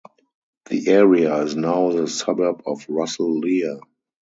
The area is now the suburb of Russell Lea.